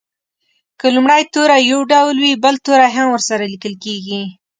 که لومړی توری یو ډول وي بل توری هم ورسره لیکل کیږي.